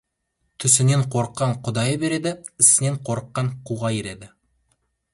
Түсінен қорыққан Құдайы береді, ісінен қорыққан қуға ереді.